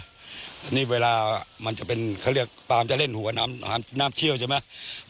อันนี้เวลามันจะเป็นเขาเรียกปามจะเล่นหัวน้ำเชี่ยวใช่ไหม